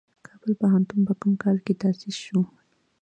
کابل پوهنتون په کوم کال تاسیس شو؟